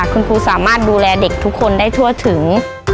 คุณครูสามารถดูแลเด็กทุกคนได้ทั่วถึง